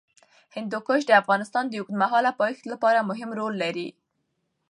هندوکش د افغانستان د اوږدمهاله پایښت لپاره مهم رول لري.